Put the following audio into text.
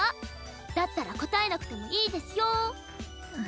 だったら答えなくてもいいですよ。